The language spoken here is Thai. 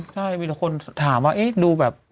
ใช่มีแต่คนถามว่าเอ๊ะดูแบบ